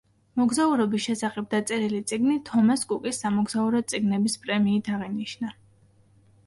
მოგზაურობის შესახებ დაწერილი წიგნი თომას კუკის სამოგზაურო წიგნების პრემიით აღინიშნა.